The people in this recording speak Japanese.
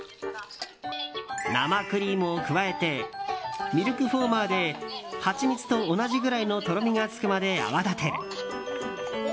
生クリームを加えてミルクフォーマーでハチミツと同じくらいのとろみがつくまで泡立てる。